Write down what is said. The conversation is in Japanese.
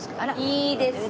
いいですね！